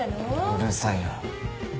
うるさいな。